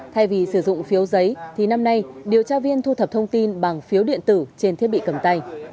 thay vì sử dụng phiếu giấy thì năm nay điều tra viên thu thập thông tin bằng phiếu điện tử trên thiết bị cầm tay